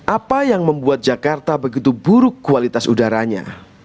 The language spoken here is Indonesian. apa yang membuat jakarta begitu buruk kualitas udaranya